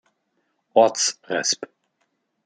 Orts- resp.